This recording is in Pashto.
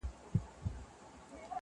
نه په غم کي د مېږیانو د غمونو-